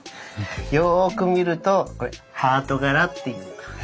よく見るとこれハート柄っていう。